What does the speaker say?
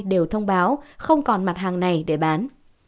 đều thông báo không còn mặt hàng này để bán